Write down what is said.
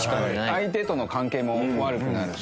相手との関係も悪くなるし。